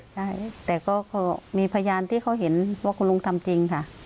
ใช่แต่ก็มีพยานที่เขาเห็นว่าคุณลุงทำจริงค่ะ